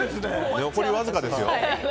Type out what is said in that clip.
残りわずかですよ。